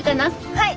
はい。